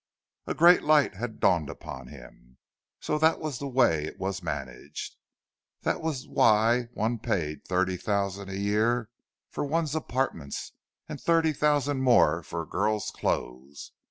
A great light had dawned upon him. So that was the way it was managed! That was why one paid thirty thousand a year for one's apartments, and thirty thousand more for a girl's clothes!